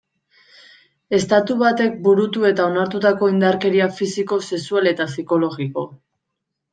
Estatu batek burutu eta onartutako indarkeria fisiko, sexual eta psikologiko.